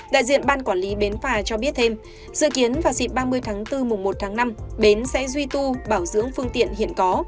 đại diện ban quản lý bến phà cho biết thêm dự kiến vào dịp ba mươi tháng bốn mùng một tháng năm bến sẽ duy tu bảo dưỡng phương tiện hiện có